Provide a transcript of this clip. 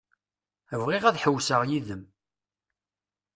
Bɣiɣ ad ḥewwseɣ yid-m.